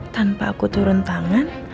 tanpa aku turun tangan